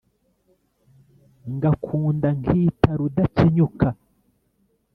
Ngakunda nkita Rudakenyuka